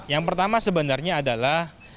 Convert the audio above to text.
yang pertama sebenarnya adalah